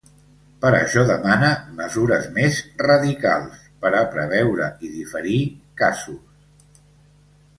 Per això demana mesures més ‘radicals’ per a ‘preveure i diferir’ casos.